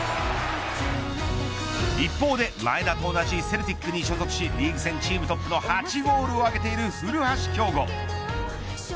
一方で前田と同じセルティックに所属し、リーグ戦チームトップの８ゴールを挙げている古橋亨梧。